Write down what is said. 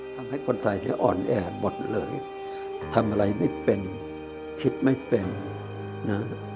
ทำให้คนไทยเนี่ยอ่อนแอหมดเลยทำอะไรไม่เป็นคิดไม่เป็นนะฮะ